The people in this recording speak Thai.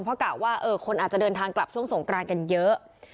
เพราะกะว่าคนอาจจะเดินทางกลับช่วงสงกรานกันเยอะ